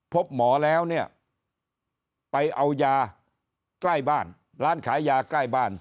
พบหมอแล้วเนี่ยไปเอายาใกล้บ้านร้านขายยาใกล้บ้าน